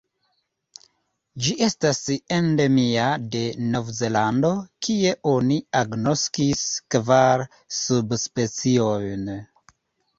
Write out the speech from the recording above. Ĝi estas endemia de Novzelando, kie oni agnoskis kvar subspeciojn.